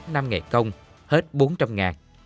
năm ngày công hết bốn trăm linh ngàn